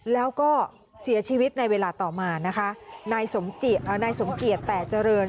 แล้วก็เสียชีวิตในเวลาต่อมานะคะนายสมเกียจแต่เจริญ